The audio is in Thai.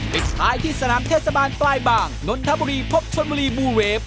ปิดท้ายที่สนามเทศบาลปลายบางนนทบุรีพบชนบุรีบูเวฟ